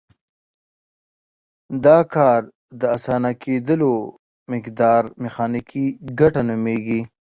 د کار د اسانه کیدلو مقدار میخانیکي ګټه نومیږي.